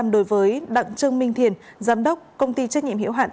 đối với đặng trương minh thiền giám đốc công ty trách nhiệm hiệu hạn